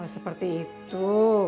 oh seperti itu